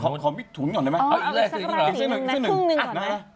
ขอมิถุนหน่อยได้ไหมเอาอีกสักครั้งหนึ่งลาสีมิถุนก่อนนะครับ